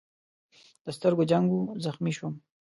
د سترګو جنګ و، زخمي شوم.